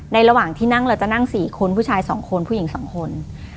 ระหว่างที่นั่งเราจะนั่ง๔คนผู้ชาย๒คนผู้หญิง๒คน